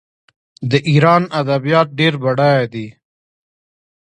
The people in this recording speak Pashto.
د ایران ادبیات ډیر بډایه دي.